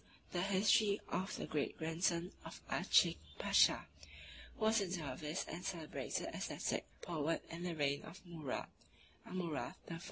e. the History of the Great Grandson of Aaschik Pasha, who was a dervis and celebrated ascetic poet in the reign of Murad (Amurath) I.